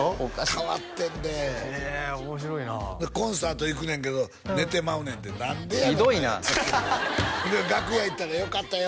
変わってんでへえ面白いなコンサート行くねんけど寝てまうねんて何でやねんそれひどいなで楽屋行ったら「よかったよ」